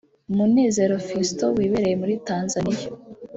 Munezero Fiston wibereye muri Tanzania